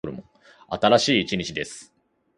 新しい一日です。